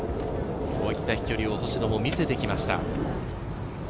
そういった飛距離を星野も見せてきました。